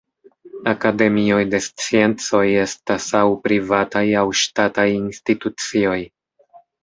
Akademioj de Sciencoj estas aŭ privataj aŭ ŝtataj institucioj.